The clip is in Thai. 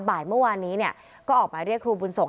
บ่ายเมื่อวานนี้เนี่ยก็ออกหมายเรียกครูบุญสงฆ